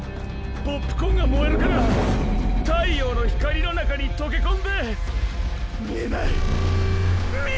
ポップコーンが燃えるから「太陽の光」の中に溶けこんで見えないッ！